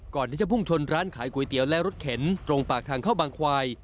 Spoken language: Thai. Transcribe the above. ก่อนที่จะพุ่งชนร้านขายก๋วยเตี๋ยวและรถเข็นตรงปากทางเข้าบางควาย